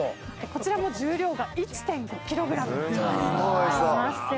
こちらも重量が１．５ｋｇありまして。